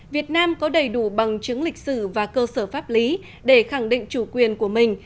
việt nam có đầy đủ bằng chứng lịch sử và cơ sở pháp lý để khẳng định chủ quyền của mình